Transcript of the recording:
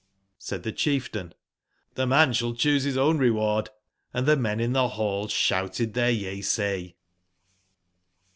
'' Said tbe chieftain :"irbe man sball cboose bis own reward ''j^Hnd tbe men in tbe ball sbouted tbeir yeasay.